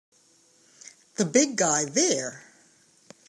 The big guy there!